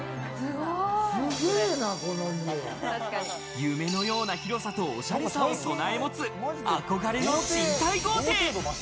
夢のような広さと、おしゃれさを備え持つ、憧れの賃貸豪邸！